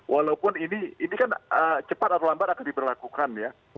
walaupun ini kan cepat atau lambat akan diberlakukan ya